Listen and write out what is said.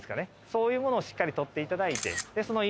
そういうものをしっかり撮っていただいてその。